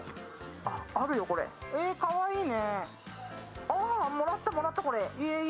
かわいいね。